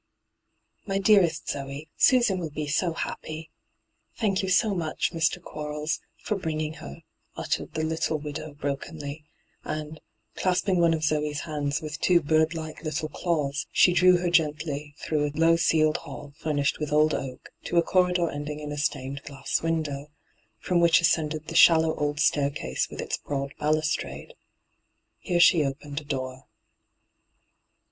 * My dearest Zoe, Susan will be so happy I Thank you so much, Mr. Qoarles, for bringing her,' uttered the little widow brokenly, and, clasping one of Zoe's hands with two birdlike little claws, she drew her gently through a low ceiled hall, furnished with old oak, to a corridor ending in a stained glass window, irom which ascended the shallow old staircase with its broad balustrade. Here she opened a door.